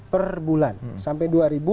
per bulan sampai dua ribu